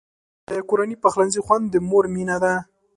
د کورني پخلنځي خوند د مور مینه ده.